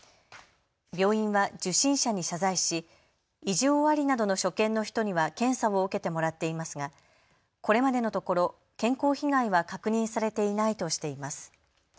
病院は受診者に謝罪し異常ありなどの所見の人には検査を受けてもらっていますがこれまでのところ健康被害は確認されていないとしています。